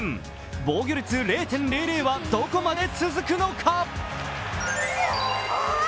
防御率０．００はどこまで続くのか。